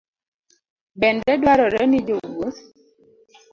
Bende dwarore ni jowuoth